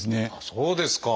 そうですか！